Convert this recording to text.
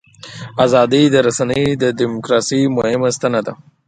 ازادې رسنۍ د دیموکراسۍ مهمه ستن ده.